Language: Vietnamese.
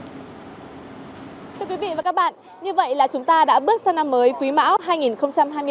thưa quý vị và các bạn như vậy là chúng ta đã bước sang năm mới quý mão hai nghìn hai mươi bốn